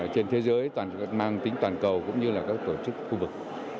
trên thế giới toàn cầu cũng như là các tổ chức khu vực